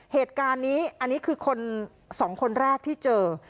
เหตุการณ์นี้อันนี้คือคนสองคนแรกที่เจอ